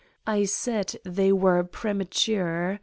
I said they were premature.